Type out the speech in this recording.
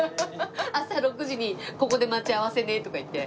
「朝６時にここで待ち合わせね」とか言って。